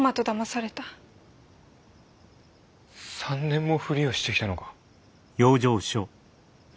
３年もふりをしてきたのか？